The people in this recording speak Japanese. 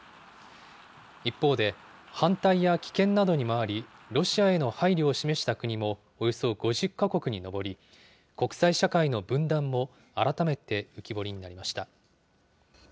一方で、反対や棄権などに回り、ロシアへの配慮を示した国もおよそ５０か国に上り、国際社会の分断も改めて浮き彫りになりました。